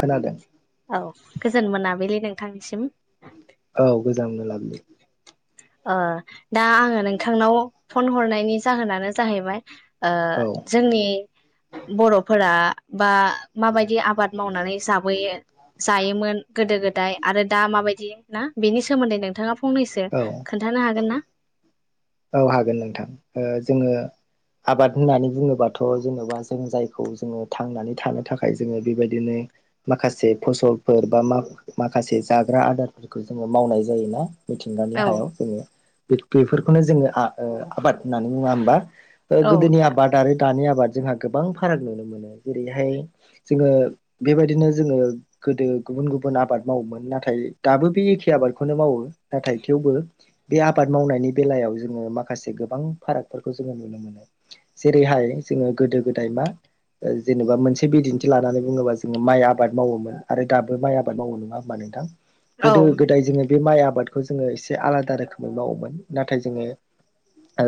खोनादों औ गोजोन मोनाबिलि नोंथांनिसिम। औ गोजोन मोनाबिलि। ओ दा आङो नोंथांनाव फन हरनायनि जाहोनानो जाहैबाय ओ औ जोंनि बर'फोरा बा माबायदि आबाद मावनानै जाबोयो जायोमोन गोदो गोदाय आरो दा माबायदि ना बेनि सोमोन्दै नोंथाङा फंनैसो औ बुंनो हागोन ना? औ हागोन नोंथां। ओ जोङो आबाद होननानै बुङोबाथ' जेन'बा जों जायखौ जोङो थांनानै थानो थाखाय जोङो बेबायदिनो माखासे फसलफोर बा मा-माखासे जाग्रा आदारफोरखौ जोङो मावनाय जायोना मिथिंगानि औ हायाव जोङो बि बेफोरखौनो आ ओ जोङो आबाद होननानै बुङा होमबा? ओ औ गोदोनि नोंथां आबाद आरो दानि आबाद जोंहा गोबां फाराग नुनो मोनो जेरैहाय जोङो बेबायदिनो जोङो गोदो गुबुन गुबुन आबाद मावोमोन नाथाय दाबो बे एखे आबादखौनो मावो नाथाय थेवबो बे आबाद मावनायनि बेलायाव जोङो माखासे गोबां फारागफोरखौ जोङो नुनो मोनो जेरैहाय जोङो गोदो गोदाय मा ओ जेनेबा मोनसे बिदिन्थि लानानै बुङोबा जोङो माइ आबाद मावोमोन आरो दाबो माइ आबाद मावो नङा होमबा नोंथां? औ गोदो गोदाय जोङो बे माइ आबादखौ जोङो एसे आलादा रोखोमै मावोमोन। नाथाय जोङो ओ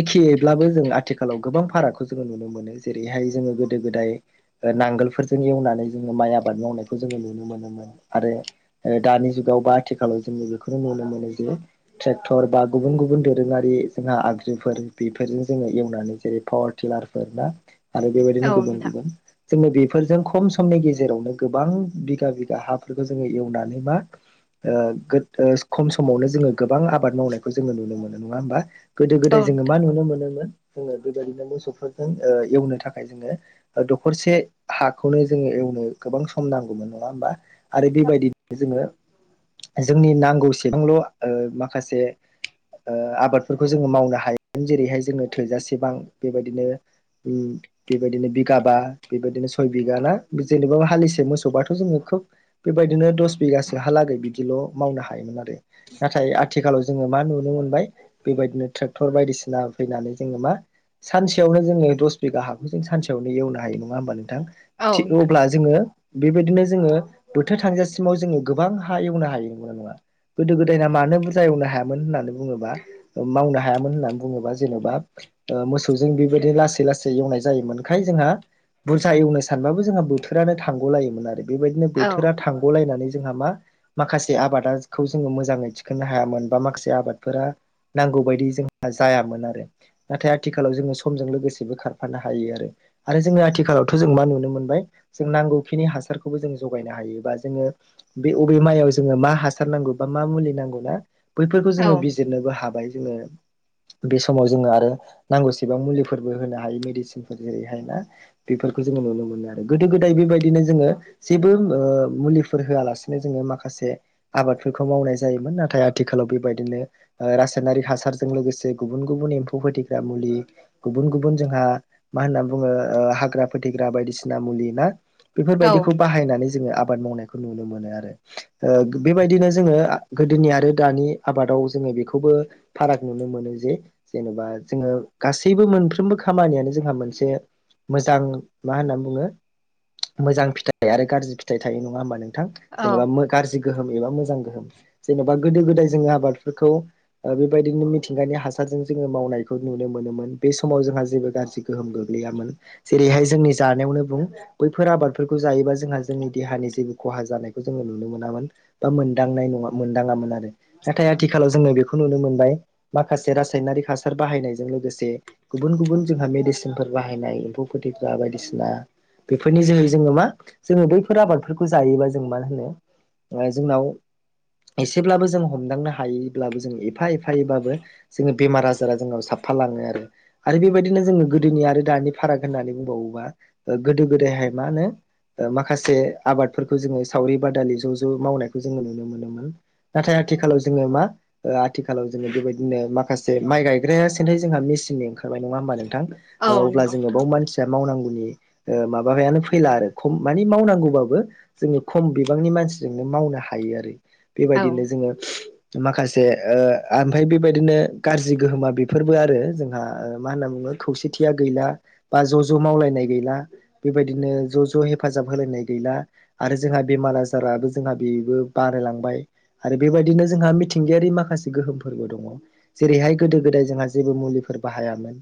एखेब्लाबो जों आथिखालाव गोबां फारागखौ जोङो नुनो मोनो जेरैहाय जोङो गोदो गोदाय नांगोलफोरजों एवनानै जोङो माइ आबाद मावनायखौ जोङो नुनो मोनोमोन आरो ओ दानि जुगावबा आथिखालाव जोङो बेखौनो नुनो मोनो जे ट्रेक टर बा गुबुन गुबुन दोरोङारि जोंहा आगजुफोर बेफोरजों जोङो एवनानै जेरै पावार टिलारफोर ना आरो बेबायदिनो औ गुबुन नोंथां गुबुन जोङो बेफोरजों खम समनि गेजेरावनो गोबां बिगा बिगा हाफोरखो जोङो एवनानै मा ओ गोद ओ खम समावनो जोङो गोबां आबाद मावनायखौ जोङो नुनो मोनो नङा होमबा गोदो औ गोदाय जोङो मा नोंथां नुनो मोनोमोन? जोङो गोदोनिफ्राय मोसौफोरजों ओ एवनो थाखाय जोङो दखरसे हाखौनो जोङो एव एवनो गोबां सम नांगौमोन नङा होमबा आरो बेबायदिनो जोङो जोंनि नांगौसेबांल' ओ माखासे ओ आबादफोरखौ जोङो मावनो हायोमोन जेरैहाय जोङो थोजासेबां बेबादिनो उम बेबायदिनो बिगाबा बेबायदिनो सय बिगा ना जेनेबा हालिसे मोसौबाथ' जोङो [unintelligible] बेबायदिनो दस बिघासोहालागै बिदिल' मावनो हायोमोन आरो नाथाय आथ थिखालाव जोङो मा नुनो मोनबाय बेबायदिनो ट्रेक्टर बायदिसिना फैनानै जोङो मा सानसेयावनो जोङो दस बिघा हाखौ जों सानसेयावनो एवनो हायो नङा होमबा नों थां औ थि नोंथां अब्ला जोङो बेबायदिनो जोङो बोथोर थांजासिमाव जोङो गोबां हा एवनो हायो नंगौना नङा गोदो गोदायना मानो बुर जा एवनो हायामोन होननानै बुङोबा मावनो हायामोन होननानै बुङोबा जेन'बा ओ मोसौजों बि बिदि लासै लासै एवनाय जायोमोनखाय जोंहा बुरजा एवनो सानबाबो जोंहा बोथोरानो थांग' लायोमोन आरो बेबायदिनो औ बोथोरा थांग'लायनानै जोंहा मा माखासे आबादासखौ जोङो मोजाङै थिखोननो हाया मोनबा माखासे आबादफोरा नांगौ बायदि जोंहा जायामोन आरो नाथाय आथिखालाव जोङो समजों लोगोसेबो खारफानो हायो आरो। आरो जोङो आथिखालावथ' जों मा नुनो मोनबाय जों नांगौखिनि हासारखौबो जों जगायनो हायोबा जोङो बे अबे माइआव जोङो मा हासार नांगौ बा मा मुलि नांगौ ना बैफोरखौ जोङो बिजिरनोबो हाबाय जोङो बे समाव जोङो आरो नांगौसेबां मुलिफोरबो होनो हायो मेडिसिनफोर जेरैहाय ना बेफोरखो जो अ नुनो मोनो आरो गोदो गोदाय बेबायदिनो जोङो जेबो ओ मुलिफोर होआलासिनो जोङो माखासे आबादफोरखौ मावनाय जायोमोन नाथाय आथ थिखालाव बेबायदिनो ओ रायनारि हासारजों लोगोसे गुबुन गुबुन एम्फौ फथैग्रा मुलि गुब बुन गुबुन जोंहा मा होनना बुङो ओ हाग्रा फोथग्रा बायदिसिना मुलि ना औ बेफोरबायदिखौ बाहायनानै जोङो आब बाद मावनायखौ नुनो मोनो आरो ओ बेबायदिनो जोङो आ गोदोनि आरो दानि आबादाव जोङो बेखौबो फाराग नुनो मोनो जे जेनेबा जोङो गासैबो मो मोनफ्रोमबो खामानियानो जोंहा मोनसे मोजां मा होननानै बुङो मोजां फिथाइ आरो गाज्रि फिथाइ थायो नङा होमबा नों थां जेनोबा मो गोरजि गोहोम एबा मोजां गोहोम जेनेबा गोदो गोदाय जोङो आबादफोरखौ ओ बेबायदिनो मिथिंगानि हासारजों जोङो मावनायखौ नुनो मोनोमोन बे समाव जोंहा जेबो गारजि गोहोम गोग्लैयामोन जेरैहाय जोंनि जानायावनो बुं बैफोर आबादफोरखो जायोबा जोंहा जोंनि देहानि जेबो खहा जानायखौ जोङो नुनो मोनामोन बा मोनांनाय ना‍ङा मोनदाङामोन आर नाथाय आथिखालाव जोङो बेखौ नुनो मोनबाय माखासे रासायनारिक हासार बाहायनायजों लोगोसे गुबुन गुबुन जोंहा मेडिसिनफोर बाहायनाय एम्फौ फोथैग्रा बायदिसिना बेफोरनि जोहै जोङो मा जोङो बैफोर आबादफोरखौ जायोबा जों मा होनो लाय जोंनाव एसेब्लाबो जों हमदांनो हायोैब्लाबो जों एफा एफायैबाबो जोङो बेमार आजारा जोंनाव साफा लाङो आरो। आरो बेबायदिनो जोङो गोदोनि आरो दानि फाराग होननानै बुंबावोबा गोदो गोदायहाय मा होनो ओ माखासे आबादफोरखौ जोङो सावरि बादालि ज' ज' मावनायखौ जोङो नुनो मोनोमोन। नाथाय आथिखालाव जोङो मा आथिखालाव जोङो बेबायदिनो माखासे माइ गायग्राया सेन्थाय जोंहा मेचि दिनै ओंखारबाय नङा होनबा नोंथां ओ औ अब्ला जोंयोबाव नोंथां मावथिआ मावनांगु नि ओ माबायानो फैला आरो खम मावनांगौबाबो जोङो खम बिबांनि मानसिजोंनो मावनो हायो आरो औ बेबायदिनो जोङो माखासे ओ ओनफाय बेबायदिनो गारजि गोहोमा बेफोरबो आरो जोंहा ओ मा होनना बुङो खौसेथिया गैला बा ज' ज' मावलायनाय गैला बेबायदिनो ज' ज' हेफाथ हेजाब होलायनाय गैला आरो जोंहा बेमार आजाराबो जोंहा बेबो बारायलांबाय आरो बेबायदिनो जोंहा मिथिंगायारि माखासे गोहोमफोरबो दङ जेरैहाय गोदो गोदाय जोंहा जेबो मुलिफोर बाहायामोन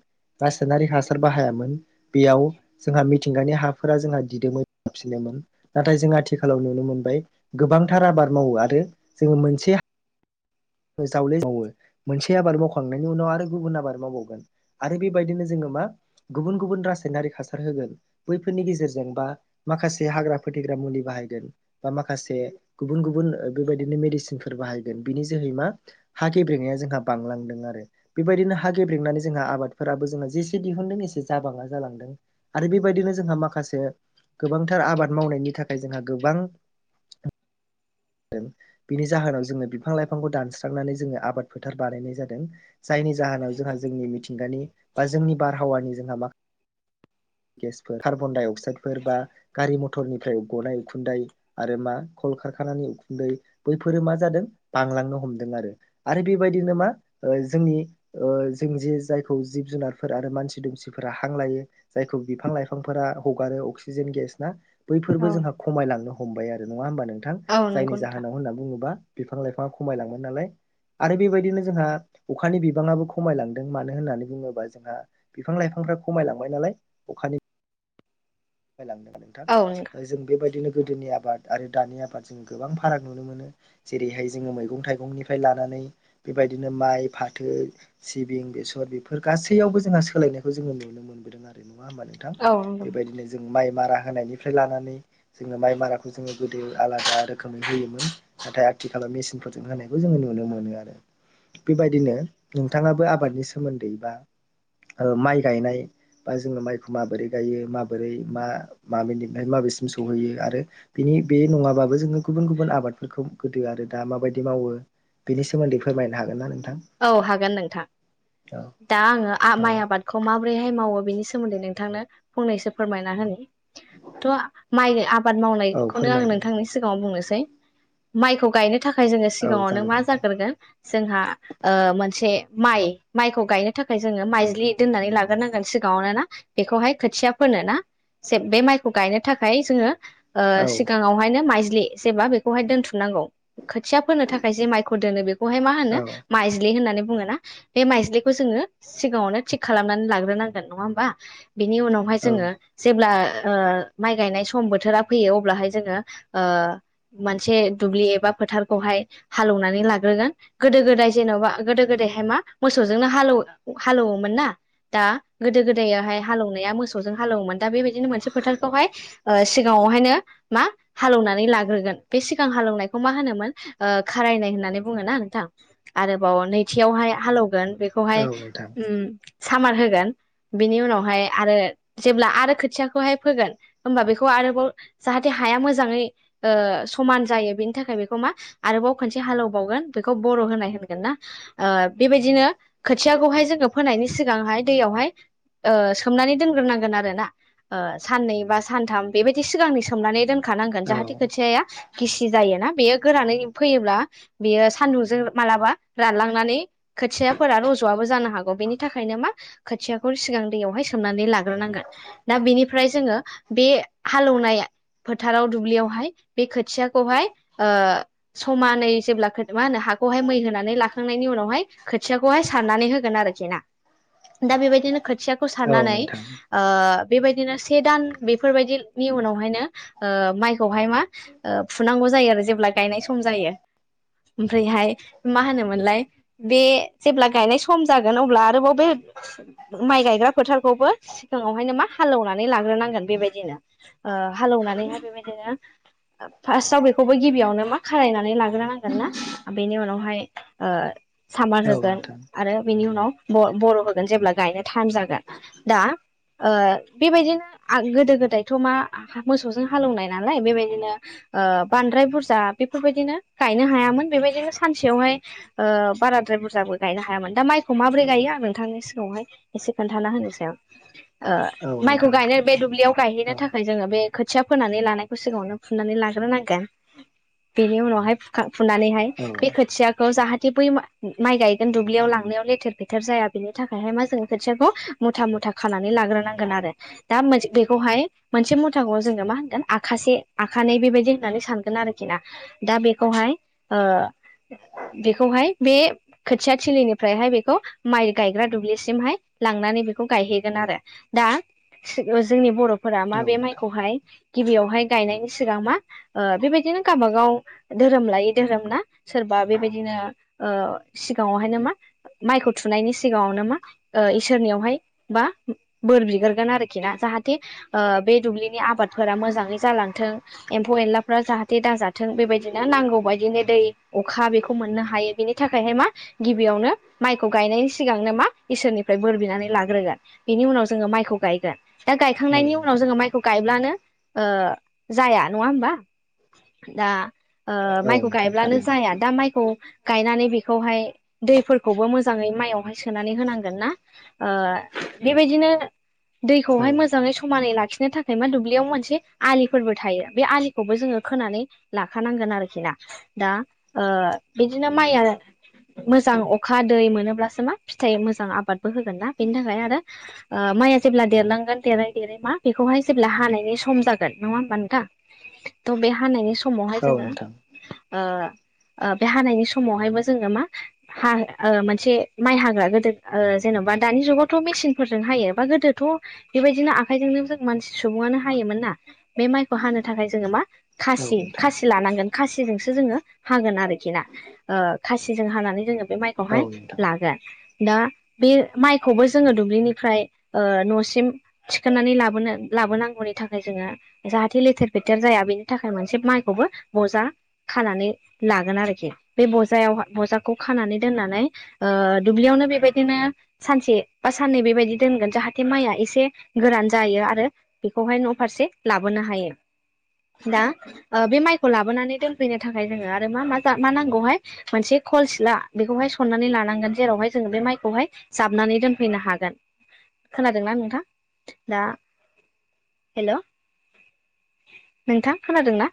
रासोननारि हासार बाहायामोन बेयाव जोंहा मिथिंगानि हाफोरा जोंहा दिदोमैफिनोमोन नाथाय जों आथिखालाव नुनो मोनबाय गोबांथार आबाद मावो आरो जोङो मोनचेआ जावले मावो मोनसे आबाद मावखांनायनि उनाव आरो गुबुन आबाद मावबावगोन आरो बेबायदिनो जोङो मा गुब गुब रासेनारिख हासार होगोन बैफोरनि गेजेरजों बा माखासे हाग्रा फोथैगो दा मुलि बाहायदों बा माखासे गुबुन गुबुन ओ बेबायदिनो मेदिचिनफोर बाहायगोन बेनिज जोहै मा हाेब्रेेंनाया जोंहा बांलांदों आरो बेबायदिनो हाागेब्रेंनानै जोंहा आबादफोराबो जोंना जेसे दिहुनदों एसे जाबाङा जालांदों आरो बेबायदिनो जोंहा माखासे गोबांथार आबाद मावनायनि थाखाय जोंहा गोबां दों बिनि जाहोनाव जोंनो बिफां लाइफांखौ दानस्रांनानै जोंओ आबाद फोथार बानायनाय जादों जायनि जाहोनाव जोंहा जोंनि मिथिंगानि बा जोंनि बारहावानि जोंहामा [inaudible] गेसफोर कार्बन डाइ अक्साइद फोर बा गारि मथरनिफ्राय गनाय उखुन्दाय आरो मा कल कारखानानि उखुन्दै बैफोरो मा जादों बांलांनो हमदों आरो आरो बेबायदिनो मा जोंनि जों जे जायखौ जिब जुनारफोर आरो मानसि दुमसिफोरा हां लायो जायखौ बिफां लाइफांफोरा [inaudible] हगारो अक्सिजेन गेस ना बैफोरबो जोंहा खमायलांनो हमबाय आरो नङा होमबा नोंथां औ नंगौ औ नंगौ जायनि नोंथां जाहोनाव होनना बुङोबा बिफां लाइफांआ खमायलांबाय नालाय आरो बेबायदिनो जोंहा अखानि बिबाङाबो खमायलांदों मानो होननानै बुङोबा जोंहा बिफां लाइफां खमायलांबाय नालाय अखानि [inaudible] नोंथां औ नोंथां जों बेबायदिनो गोदोनि आबाद आरो दानि आबाद जों गोबां फाराग नुनो मोनो जेरैहाय जोङो मैगं थाइगंनिफ्राय लानानै बेबायदिनो माइ फाथो सिबिं बेसर बेफोर गासैयावबो जोंहा सोलायनायखौ जोङो नुनो मोनबोदों आरो नङा होब्मा नोंथां औ नंगौ बेबायदिनो जों माइ मारा होनायनिफ्राय लानानै जोङो माइ माराखौ जोङो गोदो आलादा रोखोमै होयोमोन नाथाय आथिखालाव मेसिनफोरजों होनायखौ जोङो नुनो मोनो आरो बेबायदिनो नोंथांआबो आबादनि सोमोन्दै बा माइ गायनाय बा जोङो माइखौ माबोरै गायो [unintelligible] बोरै मा‌ [inaudible] माबसिम सैयो आरो बिनि बे नङाबाबो जोङो गुबुन गुबुन आबाद गोदो आरो दा मााबायदि मावो बेनि सोमोन्दै फोरमायनो हागोनना नों औ हागोन नोंथां दा आङो माइ औ आबादखौ माबोरैहाय मावो बिनि सोमोन्दै नोंथांनो फंनैसो फोरमायना होनि थ' माइ आबाद औ मावनायखौनो आं फोरमायदो नोंथांनि सिगाङाव बुंनोसै माइखौ गायनो थाखाय जोङो औ सिगाङावनो जागोन मा नोंथां जाग्रोगोन जोंहा मोनसे माइ माइखौ गायनो थाखाय जोङो माइज्लि दोननानै लाग्रोनांगोन सिगाङावनो ना बेखौ [inaudible] हाय खोथिया फोनो ना जे बे माइखौ गायनो थाखाय जोङो औ सिगाङावहायनो माइज्लि जेबा बेखौहाय दोनथुमनांगौ खोथिया फोनो थाखाय जे माइखौ दोनो बेखौहाय मा औ होनो माइज्लि होननानै बुङो ना बे माइज्लिखौ जोङो सिगाङावनो थिग खालामनानै लाग्रोनांगोन नङा होमबा बिनि उनावहाय औ जोङो जेब्ला माइ गायनाय सम बोथोरा फैयो अब्लाहाय जोङो मोनसे दुब्लि एबा फोथारखौहाय हालोवनानै लाग्रोगोन गोदो गोदाय जेनेबा गोदो गोदायहाय मा मोसौजोंनो हालौवो हालौवोमोन ना दा गोदो गोदायोहाय हालौनाया मोसौजों हालौमोन दा बेबायदिनो मोनसे फोथारखौहाय ओ सिगाङावहायनो मा हालौनानै लाग्रोगोन बे सिगां हालौनायखौ मा होनोमोन खारायनाय होननानै बुङ ना नोंथां। आरोबाव नैथियावहाय हालौगोन बेखौहाय औ नोंथां उम सामार होगोन बेनि उनावहाय आरो जेब्ला आरो खोथियाखौहाय फोगोन होमबा बेखौ आरोबाव जाहाथे हाया मोजाङै ओ समान जायो बेनि थाखाय बेखौ मा आरोबाव खनसे हालौबावगोन बेखौ बर' होनाय ओ बेबायदिनो खोथियाखौहाय जोङो फोनायनि सिगांहाय दैयावहाय ओ सोमनानै दोनग्रोनांगोन आरो ना ओ साननै बा सानथाम बेबायदि सिगांनि सोमनानै दोन खा नांगोन औ जाहाथे खोथियाआ गिसि जायोना बेयो गोरानै फैयोब्ला बेयो सान्दुंजों मालाबा रानलांनानै खोथियाफोरा रज'वाबो जानो हागौ बेनि थाखायनो मा खोथियाखौ सिगां दैयावहाय सोमनानै लाग्रोनांगोन दा बिनिफ्राय जोङो बे हालौवनाय फोथाराव दुब्लियावहाय बे खो खोथियाखौहाय ओ समानै जेब्ला खो माहोनो हाखौहाय मै होनानै लाखांनायनि उनावहाय खोथियाखौहाय‌ सारनानै होगोन आरोखि ना दा बेबादिनो खोथियाखौ औ सारनानै‌ नोंथां ओ बेबायदिनो से दान बेफोरबायदिनि उनावहायनो ओ माइखौहाय मा फुनांगौ जायो आरो जेब्ला गायनाय सम जायो ओमफ्रायहाय मा होनोमोनलाय बे जेब्ला गायनाय सम जागोन अब्ला आरोबाव बे माइ गाय ग्रा फोथारखौबो सिगाङावहायनो मा हालेवनानै लाग्रोनांगोन बेबायदिनो हालेवनानैहाय बेबाय दिनो फार्स्टआव बेखौबो गिबियावनो मा खारायनानै लाग्रो नांगोन ना बेनि उनाव बेवहाय ओ सामार औ होगोन नोंथां आरो बेनि उनाव बर' होगोन जेब्ला गायनो टाइम जागोन दा ओ बेबायदिनो गोदो गोदायथ' मा मोसौजों हालेवनाय नालाय बेबायदिनो ओ बांद्राय बुरजा बेफोरबायदिनो गायनो हायामोन बेबायदिनो सानसेयावहाय ओ बाराद्राय बुरजाबो गायनो हायामोन दा माइखौ माब्रै गायो आं नोंथांनि सिगाङावहाय एसे खोन्थाना होनोसै आं औ माइखौ नोंथां गायनो बे दुब्लियाव गायहैनो औ थाखाय जोङो बे खोथिया फोनानै लानायखौ सिगाङावनो फुनानै लाग्रोनांगोन बेनि उनावहाय फुखां फुनानैहाय औ बे खोथियाखौ जाहाथे बै माइ गायगोन दुब्लियाव लांनायाव लेथेर फेथेर जाया बेनि थाखायहाय मा जोङो खोथियाखौ मुथा मुथा खानानै लाग्रोनांगोन आरो दा बेखौहाय मोनसे मुथाखौ जोङो मा होनगोन आखासे आखानै बेबायदि होननानै सानगोन आरोखि ना दा बेखौहाय बेखौहाय बे खोथिया थिलिनिफ्रायहाय बेखौ माइ गायग्रा दुब्लिसिमहाय लांनानै बेखौ गायहैगोन आरो दा जोंनि बर' फोरा औ नोंथां माबे माइखौहाय गिबियावहाय गायनायनि सिगां मा बेबायदिनो गावबागाव धोरोम लायै धोरोम ना सोरबा बेबायदिनो ओ सिगाङावहायनो मा माइखौ थुनायनि सिगाङावनो मा ओ इसोरनियावहाय बा बोर बिग्रोगोन आरोखि ना जाहाथे ओ बे दुब्लिनि आबादफोरा मोजाङै जालांथों एम्फौ एनलाफ्रा जाहाथे दाजाथों बेबायदिनो नांगौ बायदिनो दै अखा बेखौ मोननो हायो बेनि थाखायहाय मा गिबियावनो माइखौ गायनायनि सिगांनो मा इसोरनि फ्राय बोर बिनानै लाग्रोगोन बेनि उनाव जोङो माइखौ गायगोन दा औ गायखांनायनि उनाव नोंथां जोङो माइखौ गायब्लानो ओ जाया नङा होमबा दा ओ औ माइखौ नोंथां गायब्लानो थारैनो जाया दा माइखौ गायनानै बेखौहाय दैफोरखौबो मोजाङै माइयावहाय सोनानै होनांगोन ना। ओ बेबायदिनो औ दैखौहाय मोजाङै समानै ला खिनो थाखाय मा दुब्लियाव मोनसे आलिफोरबो थायो बे आलिखौबो जोङो खोनानै लाखानांगोन आरोखि ना दा बिदिनो ओ माइया मोजां अखा दै मोनोब्लासो मा फिथाइ मोजां आबादबो होगोन ना बेनि थाखाय आरो माइआ जेब्ला देरलांगोन देरै देरै मा बेखौहाय जेब्ला हानायनि सम जागोन नङा होमबा नोंथां थ' बे हानायनि समावहाय औ जोङो नोंथां ओ ओ बे हानायनि समावहायबो जोङो मा हा मोनसे माइ हाग्रा गोदो ओ, जेन'बा दानि जुगावथ' मेसिनफोरजों हायो बा गोदोथ' बेबायदिनो आखाइजोंनो जों मानसि सुबुङानो हायो। मोनना बे माइखौ हानो थाखाय जोङो मा औ खासि नोंथां खासि लानांगोन खासिजोंसो जोङो, हागोन आरोखि ना ओ खासिजों हानानै जोङो बे औ माइखौहाय नोंथां लागोन, दा बे माइखौबो जोङो दुब्लिनिफ्राय न'सिम थिखांनानै लाबोनो, लाबोनांगौनि थाखाय जोङो जाहाथे लेथेर फेथेर जाया बेनि थाखाय मोनसे माइखौबो बजा, खानानै लागोन आरोखि बे बजायाव बजाखौ खानानै दोननानै ओ दुब्लियावनो बेबायदिनो, सानसे बा साननै बेबायदि दोनगोन जाहाथे माइआ एसे गोरान जायो आरो बेखौहाय न' फारसे लाबोनो हायो दा ओ बे माइखौ लाबोनानै दोनफैनो थाखाय जोङो आरो मा मा मा नांगौहाय मोनसे खल सिला बेखौहाय सननानै लानांगोन जेरावहाय जोङो बे माइखौहाय, जाबनानै दोनफैनो हागोन खोनादोंना नोंथां दा, हेलौ नोंथां खोनादोंना?